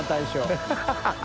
ハハハ